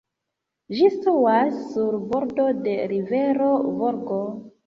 Ĝi situas sur bordo de rivero Volgo.